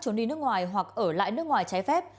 trốn đi nước ngoài hoặc ở lại nước ngoài trái phép